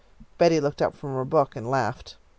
Betty looked up from her book and laughed.